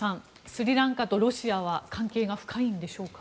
スリランカとロシアは関係が深いんでしょうか。